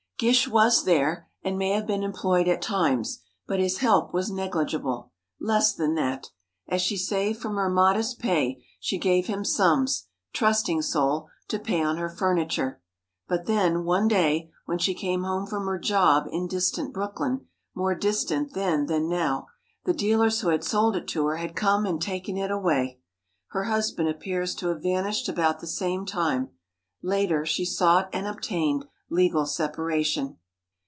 Gish was there, and may have been employed at times, but his help was negligible. Less than that. As she saved from her modest pay, she gave him sums, trusting soul, to pay on her furniture. But then, one day, when she came home from her job in distant Brooklyn, more distant then than now, the dealers who had sold it to her had come and taken it away. Her husband appears to have vanished about the same time. Later, she sought and obtained legal separation.